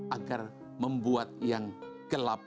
agar membuat yang gelap